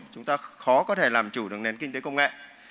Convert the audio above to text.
chúng ta khó có thể làm chủ được nền kinh tế công nghệ